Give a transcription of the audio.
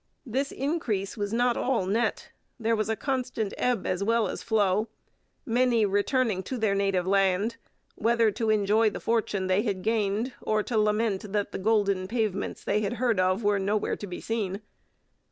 This increase was not all net. There was a constant ebb as well as flow, many returning to their native land, whether to enjoy the fortune they had gained or to lament that the golden pavements they had heard of were nowhere to be seen.